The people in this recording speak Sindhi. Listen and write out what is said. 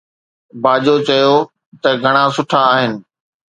باجو چيو ته گهڻا سٺا آهن